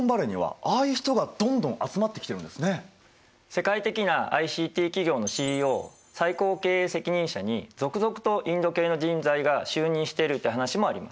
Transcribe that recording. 世界的なＩＣＴ企業のＣＥＯ最高経営責任者に続々とインド系の人材が就任してるという話もあります。